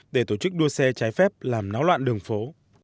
để tổ chức đua xe trái phép làm náo loạn đường phố